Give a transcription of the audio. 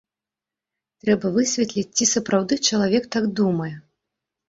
Трэба высветліць, ці сапраўды чалавек так думае.